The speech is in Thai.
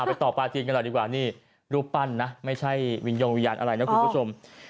ไปต่อปลาจีนกันหน่อยดีกว่านี่รูปปั้นนะไม่ใช่วิญญงวิญญาณอะไรนะคุณผู้ชม